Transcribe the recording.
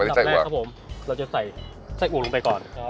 เราจะใส่ไส้อ่วดลงไปก่อนครับ